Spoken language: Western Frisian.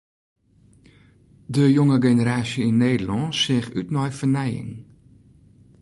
De jonge generaasje yn Nederlân seach út nei fernijing.